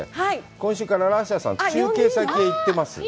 今週からラッシャーさん、中継先へ行ってます。